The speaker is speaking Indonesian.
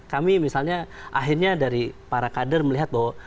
kami misalnya akhirnya dari para kader melihat bahwa